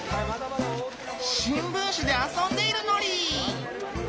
しんぶんしであそんでいるのり！